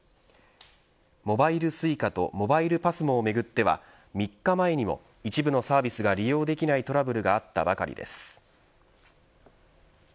モバイルＳｕｉｃａとモバイルＰＡＳＭＯをめぐっては３日前にも、一部のサービスが利用できないトラブルがあったばかりです。